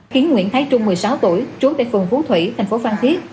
khiến nguyễn thái trung một mươi sáu tuổi trú tại phường phú thủy thành phố phan thiết